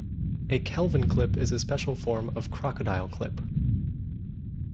A Kelvin clip is a special form of crocodile clip.